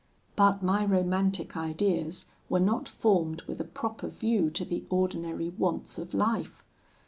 "But my romantic ideas were not formed with a proper view to the ordinary wants of life.